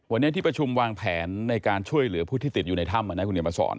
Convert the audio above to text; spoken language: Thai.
วันนี้ที่ประชุมวางแผนในการช่วยเหลือผู้ที่ติดอยู่ในถ้ำนะคุณเดี๋ยวมาสอน